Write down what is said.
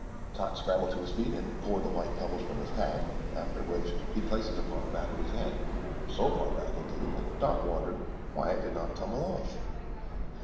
Tot scrambled to his feet and poured the white pebbles from his hat, after which he placed it upon the back of his head; so far back, indeed, that Dot wondered why it did not tumble off.